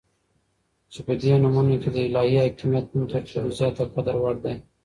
چې په دي نومونو كې دالهي حاكميت نوم تر ټولو زيات دقدر وړ دى